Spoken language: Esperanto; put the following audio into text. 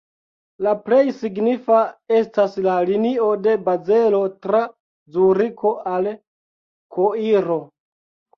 La plej signifa estas la linio de Bazelo tra Zuriko al Koiro.